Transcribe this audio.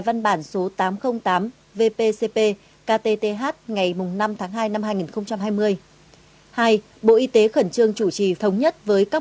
văn bản số tám trăm linh tám vpcp ktth ngày năm tháng hai năm hai nghìn hai mươi hai bộ y tế khẩn trương chủ trì thống nhất với các